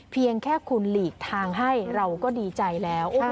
เพียงแค่คุณหลีกทางให้เราก็ดีใจแล้ว